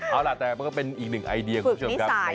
เอาล่ะแต่มันก็เป็นอีกหนึ่งไอเดียคุณผู้ชมครับฝึกนิสัยด้วย